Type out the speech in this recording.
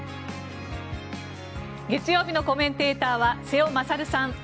月曜日のコメンテーターは瀬尾傑さん